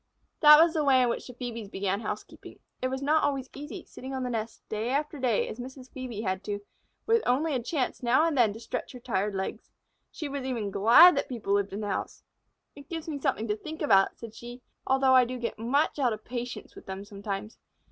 That was the way in which the Phœbes began housekeeping. It was not always easy, sitting on the nest day after day as Mrs. Phœbe had to, with only a chance now and then to stretch her tired legs. She was even glad that people lived in the house. "It gives me something to think about," said she, "although I do get much out of patience with them sometimes.